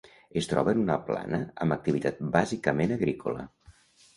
Es troba en una plana amb activitat bàsicament agrícola.